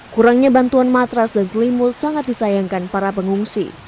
kurangnya bantuan matras dan selimut sangat disayangkan para pengungsi